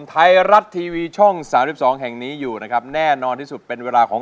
ทั้งทำร้องได้ที่ล้าน